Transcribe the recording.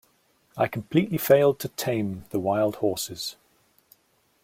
I completely failed to tame the wild horses.